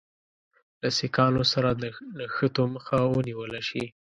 له سیکهانو سره د نښتو مخه ونیوله شي.